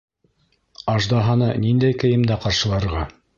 Аждаһаны ниндәй кейемдә ҡаршыларға?